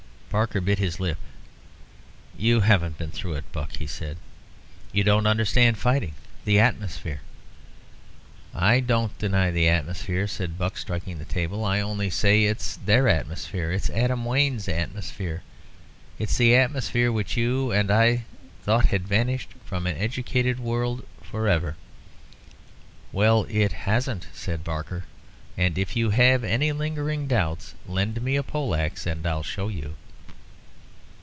Barker bit his lip. "You haven't been through it, Buck," he said. "You don't understand fighting the atmosphere." "I don't deny the atmosphere," said Buck, striking the table. "I only say it's their atmosphere. It's Adam Wayne's atmosphere. It's the atmosphere which you and I thought had vanished from an educated world for ever." "Well, it hasn't," said Barker; "and if you have any lingering doubts, lend me a poleaxe, and I'll show you."